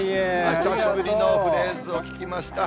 久しぶりのフレーズを聞きました。